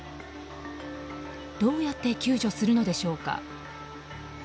どうやって救助するのでしょうか。